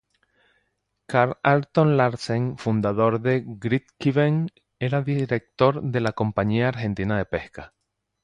Carl Anton Larsen, fundador de Grytviken, era director de la Compañía Argentina de Pesca.